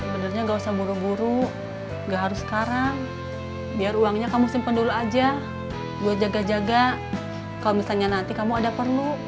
benernya gak usah buru buru gak harus sekarang biar uangnya kamu simpen dulu aja buat jaga jaga kalau misalnya nanti kamu ada perlu